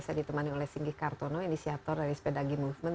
saya ditemani oleh singgih kartono inisiator dari spedagi movement